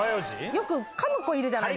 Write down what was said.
よくかむ子いるじゃないです